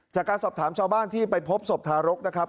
จากการสอบถามชาวบ้านที่ไปพบศพทารกนะครับ